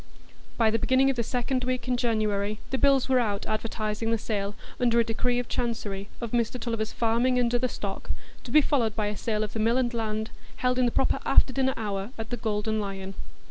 By the beginning of the second week in January, the bills were out advertising the sale, under a decree of Chancery, of Mr Tulliver's farming and other stock, to be followed by a sale of the mill and land, held in the proper after dinner hour at the Golden Lion.